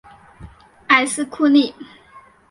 埃斯库利。